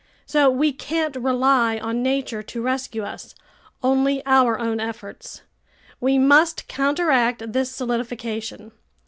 So we can't rely on nature to rescue us, only our own efforts. We must counteract this solidification.